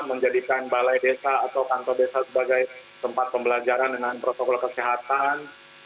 menjadikan balai desa atau kantor desa sebagai tempat pembelajaran dengan protokol kesehatan